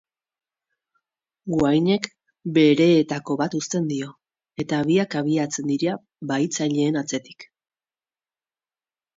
Gwainek bereetako bat uzten dio, eta biak abiatzen dira bahitzaileen atzetik.